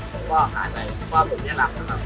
สวัสดีทุกคน